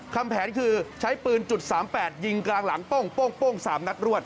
คำแผนคือใช้ปืนจุด๓๘ยิงกลางหลังโป้ง๓นัดรวด